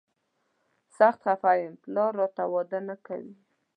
سخت خفه یم، پلار راته واده نه کوي.